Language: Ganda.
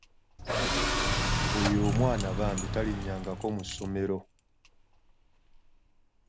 Oyo omwana bambi talinnyangako mu ssomero.